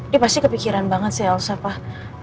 dia pasti kepikiran banget sih elsa pah